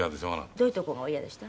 どういうとこがお嫌でした？